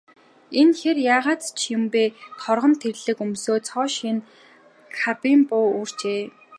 Энэ хэр яагаад ч юм бэ, торгон тэрлэг өмсөж, цоо шинэ карбин буу үүрчээ.